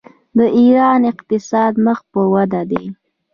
د ایران اقتصاد مخ په وده دی.